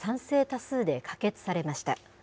多数で可決されました。